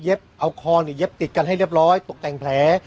เอาคอเนี่ยเย็บติดกันให้เรียบร้อยตกแต่งแผล